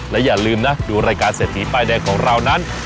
และอย่าลืมนะดูรายการเศรษฐีป้ายแดงของเรานั้น